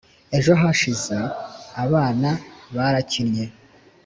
Ejo hashize abana barakinnye.